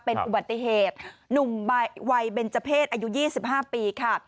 เป็นอุบัติเหตุหนุ่มวัยเบนเจอร์เพศอายุ๒๕ปีค่ะ